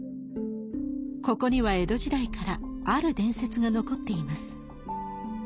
ここには江戸時代からある伝説が残っています。